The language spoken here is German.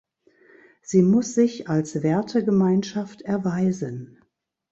Sie muss sich als Wertegemeinschaft erweisen.